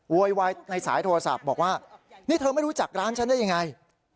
โวยวายในสายโทรศัพท์บอกว่านี่เธอไม่รู้จักร้านฉันได้ยังไง